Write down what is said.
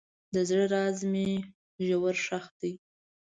د زړه راز مې ژور ښخ دی.